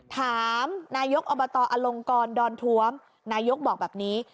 ถามนายกอบตอลงกรดอนทวมนายกบอกแบบนี้